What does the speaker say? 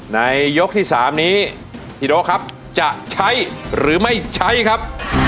ในยกที่๓นี้ฮิโดครับจะใช้หรือไม่ใช้ครับ